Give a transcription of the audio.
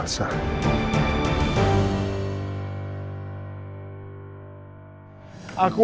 kasian juga si elsa